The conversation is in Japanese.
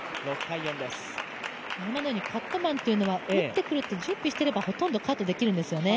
今のようにカットマンというのは、打ってくるという準備をしていればほとんどカットできるんですよね。